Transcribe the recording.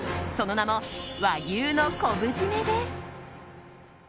その名も和牛の昆布〆です。